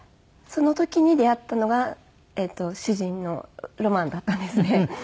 その時に出会ったのが主人のロマンだったんですね。